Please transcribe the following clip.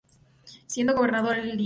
Siendo gobernador el Lic.